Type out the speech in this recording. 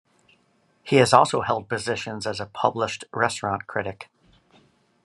He has also held positions as a published restaurant critic.